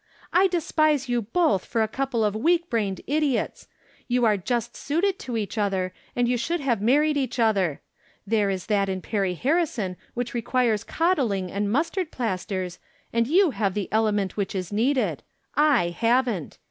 I despise you both for a couple of weak brained idiots. You are just suited to each other, and you should have mar ried each other. There is that in Perry Harrison which requires coddling and mustard plasters, and you have the element which is needed. I haven't.